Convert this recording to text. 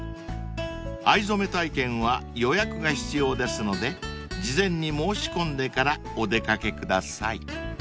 ［藍染め体験は予約が必要ですので事前に申し込んでからお出掛けください］